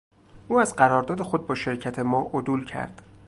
او از قرارداد خود با شرکت ما عدول کرد.